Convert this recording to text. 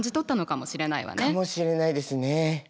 かもしれないですね。